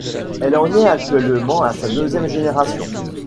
Elle en est actuellement à sa deuxième génération.